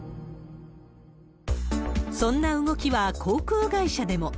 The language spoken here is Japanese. そんな動きは航空会社でも。